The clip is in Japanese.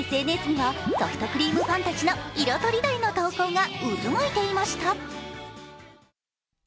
ＳＮＳには、ソフトクリームファンたちの色とりどりの投稿が渦巻いていました。